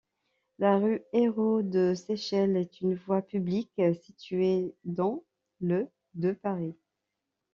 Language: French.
La rue Hérault-de-Séchelles est une voie publique située dans le de Paris.